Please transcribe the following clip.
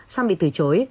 xong bị từ chối